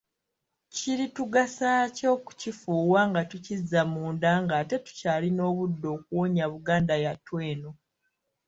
Kiritugasaaki okukifuuwa nga tukizza munda ng’ate tukyalina obudde okuwonya Buganda yattu eno?